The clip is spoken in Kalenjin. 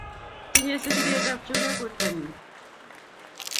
Tinyei sigiryetab chumbek wertonin